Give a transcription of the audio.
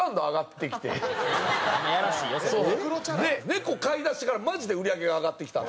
猫飼いだしてからマジで売り上げが上がってきた。